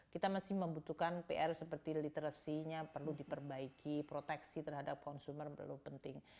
kita masih membutuhkan pr seperti literacy nya perlu diperbaiki proteksi terhadap konsumer perlu penting